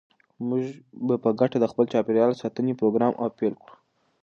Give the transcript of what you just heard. موږ به په ګډه د خپل چاپیریال ساتنې پروګرام پیل کړو.